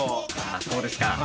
そうですか。